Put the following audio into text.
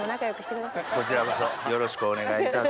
こちらこそよろしくお願いいたします。